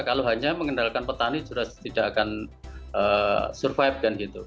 kalau hanya mengendalikan petani sudah tidak akan survive kan gitu